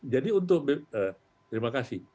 jadi untuk terima kasih